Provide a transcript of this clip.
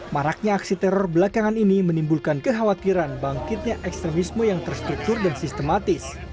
maraknya aksi teror belakangan ini menimbulkan kekhawatiran bangkitnya ekstremisme yang terstruktur dan sistematis